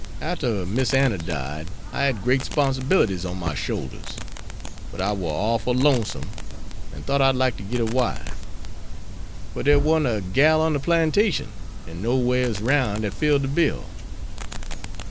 Arter Miss Anna died, I had great 'sponsibilities on my shoulders; but I war orful lonesome, an' thought I'd like to git a wife. But dere warn't a gal on de plantation, an' nowhere's roun', dat filled de bill.